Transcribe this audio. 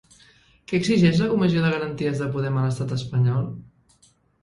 Què exigeix la Comissió de Garanties de Podem a l'estat espanyol?